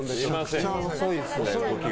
めちゃくちゃ遅いですね動きが。